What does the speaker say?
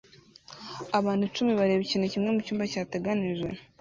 Abantu icumi bareba ikintu kimwe mucyumba cyateganijwe